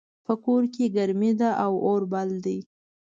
په کور کې ګرمي ده او اور بل ده